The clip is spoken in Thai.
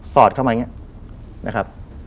ซอดเข้ามาเนี่ยนะครับ